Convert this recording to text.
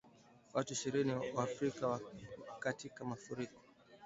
Watu ishirini wafariki katika mafuriko